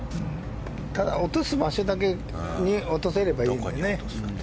ただ、落とす場所だけに落とせればいいですよね。